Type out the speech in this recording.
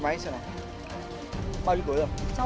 bạn mẹ cười cho